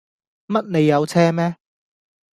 乜你有車咩